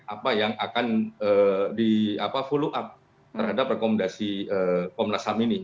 apa yang akan di follow up terhadap rekomendasi komnas ham ini